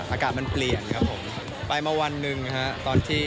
อากาศมันเปลี่ยนครับไปมาวานนึงครับ